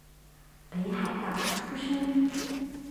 北海道出身。